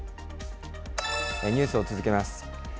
ニュースを続けます。